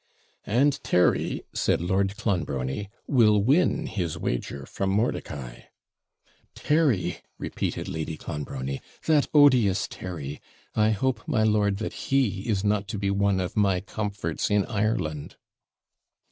'And Terry,' said Lord Clonbrony, 'will win his wager from Mordicai.' 'Terry!' repeated Lady Clonbrony, 'that odious Terry! I hope, my lord, that he is not to be one of my comforts in Ireland.'